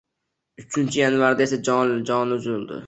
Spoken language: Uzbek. Uchinchi yanvarda esa joni uzildi